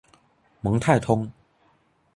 蒙泰通。